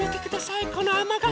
このあまがっぱ。